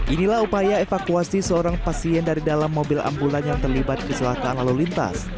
inilah upaya evakuasi seorang pasien dari dalam mobil ambulan yang terlibat kecelakaan lalu lintas